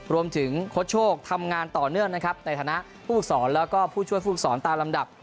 รวมถึงโค้ชโชคทำงานต่อเนื่องนะครับในฐานะผู้ปุกษรแล้วก็ผู้ช่วยผู้ปุกษรตามลำดับ